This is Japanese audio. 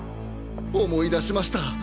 思い出しました。